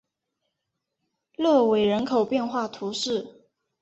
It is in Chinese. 勒韦人口变化图示